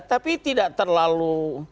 tapi tidak terlalu